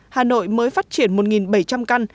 hà nội mới phát triển một bảy trăm linh căn